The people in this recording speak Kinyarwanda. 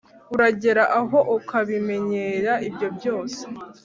uragera aho ukabimenyera ibyo byose,